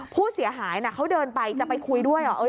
แต่เขาเดินไปจะไปคุยด้วยเหรอ